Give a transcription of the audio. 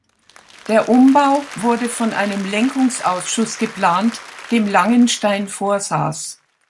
Der Umbau wurde von einem Lenkungsausschuss geplant, dem Langenstein vorsaß.